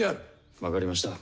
分かりました。